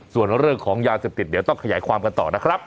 ส่วนเรื่องของยาเสพติดเดี๋ยวต้องขยายความกันต่อนะครับ